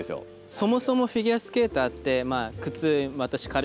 そもそもフィギュアスケーターってまあ